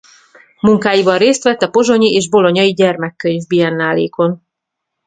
Munkáival részt vett a pozsonyi és bolognai gyermekkönyv-biennálékon.